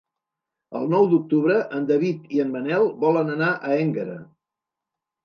El nou d'octubre en David i en Manel volen anar a Énguera.